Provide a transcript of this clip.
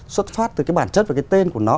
xuất phát từ cái bản chất và cái tên của nó